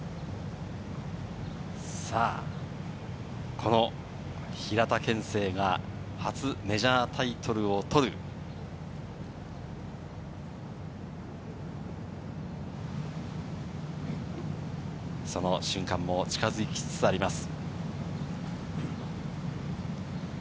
この平田憲聖が初メジャータイトルをとる、その瞬間が近づきつつあります。